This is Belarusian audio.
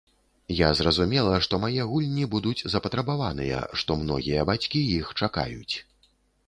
Я зразумела, што мае гульні будуць запатрабаваныя, што многія бацькі іх чакаюць.